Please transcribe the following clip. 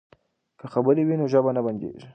که خبرې وي نو ژبه نه بندیږي.